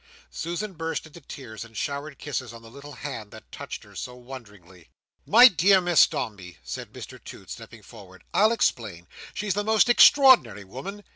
Susan burst into tears, and showered kisses on the little hand that had touched her so wonderingly. "My dear Miss Dombey," said Mr Toots, stepping forward, "I'll explain. She's the most extraordinary woman.